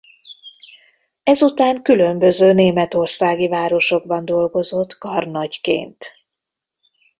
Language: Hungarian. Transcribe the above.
Ezután különböző németországi városokban dolgozott karnagyként.